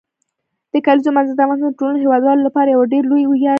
د کلیزو منظره د افغانستان د ټولو هیوادوالو لپاره یو ډېر لوی ویاړ دی.